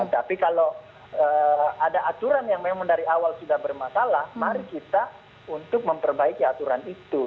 tapi kalau ada aturan yang memang dari awal sudah bermasalah mari kita untuk memperbaiki aturan itu